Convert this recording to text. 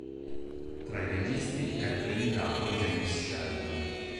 Tra i registi è accreditato James Sheldon.